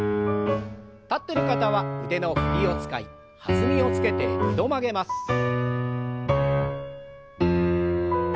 立ってる方は腕の振りを使い弾みをつけて２度曲げます。